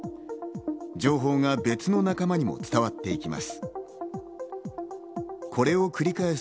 情報が別の仲間にも伝わっていきます。